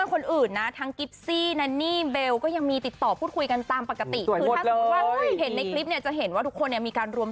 ถึงบอกนะว่าข่าวนี้งง